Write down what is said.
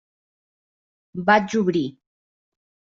Vaig obrir.